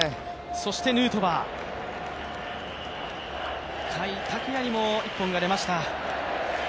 そしてヌートバー、甲斐拓也にも一本が出ました。